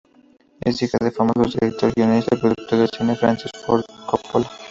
Es hija del famoso director, guionista y productor de cine Francis Ford Coppola.